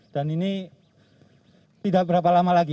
dan ini tidak berapa lama lagi